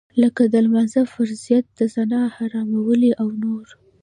لکه د لمانځه فرضيت د زنا حراموالی او نور.